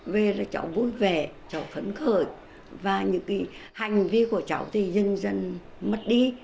về là cháu vui vẻ cháu phấn khởi và những cái hành vi của cháu thì dần dần mất đi